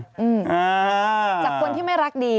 จากคนที่ไม่รักดี